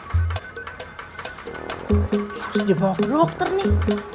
harus aja bawa ke dokter nih